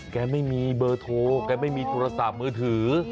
แกไม่มีเบอร์โทรแกไม่มีโทรศัพท์มือถือ